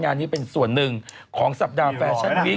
งานนี้เป็นส่วนหนึ่งของสัปดาห์แฟชั่นวีค